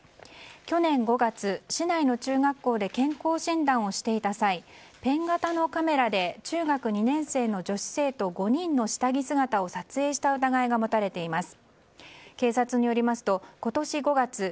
去年５月、市内の中学校で健康診断をしていた際ペン型のカメラで中学２年生の女子生徒５人の下着姿を撮影した疑いが持たれています。